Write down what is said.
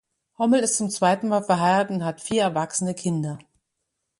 Hommel ist zum zweiten Mal verheiratet und hat vier erwachsene Kinder.